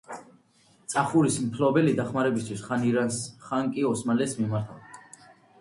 წახურის მფლობელი დახმარებისათვის ხან ირანს, ხან კი ოსმალეთს მიმართავდა.